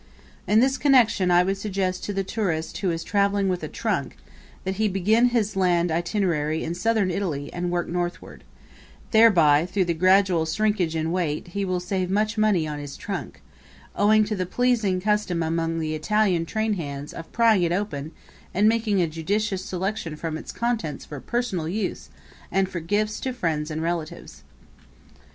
In this connection I would suggest to the tourist who is traveling with a trunk that he begin his land itinerary in Southern Italy and work northward; thereby, through the gradual shrinkage in weight, he will save much money on his trunk, owing to the pleasing custom among the Italian trainhands of prying it open and making a judicious selection from its contents for personal use and for gifts to friends and relatives.